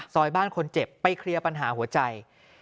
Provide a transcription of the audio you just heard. ซอยบ้านคนเจ็บไปเคลียร์ปัญหาหัวใจ